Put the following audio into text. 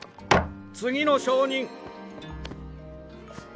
次の証人。